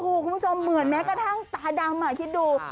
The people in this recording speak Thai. คุณผู้ชมเหมือนแม้กระทั่งตาดำคิดดู